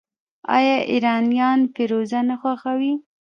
آیا ایرانیان فیروزه نه خوښوي؟